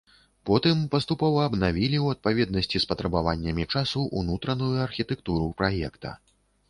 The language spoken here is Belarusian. Потым паступова абнавілі, у адпаведнасці з патрабаваннямі часу, унутраную архітэктуру праекта.